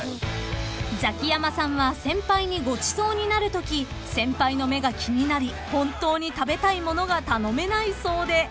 ［ザキヤマさんは先輩にごちそうになるとき先輩の目が気になり本当に食べたいものが頼めないそうで］